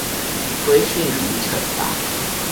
規訓與懲罰